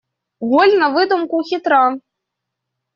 Голь на выдумку хитра.